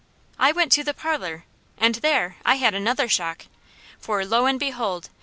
I went to the parlour and there I had another shock; for lo and behold!